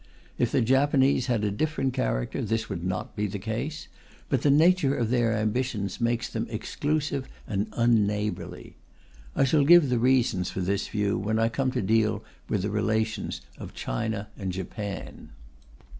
If the Japanese had a different character this would not be the case; but the nature of their ambitions makes them exclusive and unneighbourly. I shall give the reasons for this view when I come to deal with the relations of China and Japan.